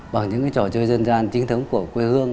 bằng những trò chơi dân gian chính thống của quê hương